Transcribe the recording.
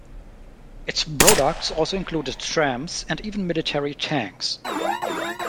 Its products also included trams and even military tanks.